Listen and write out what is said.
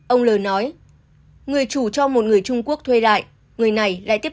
ông l nói người chủ cho một người trung quốc thuê lại